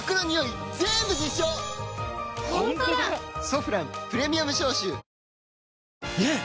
「ソフランプレミアム消臭」ねえ‼